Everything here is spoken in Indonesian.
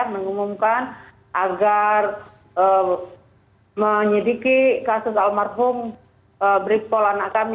mengumumkan agar menyediki kasus almarhum brigadir anak kami